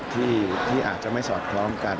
ที่อาจจะไม่สอดคล้องกัน